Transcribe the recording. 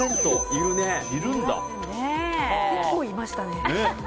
結構いましたね。